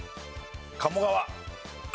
鴨川。